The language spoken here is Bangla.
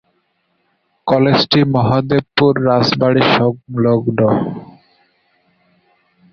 কলেজটি মহাদেবপুর রাজবাড়ি সংলগ্ন।